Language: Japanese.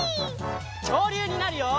きょうりゅうになるよ！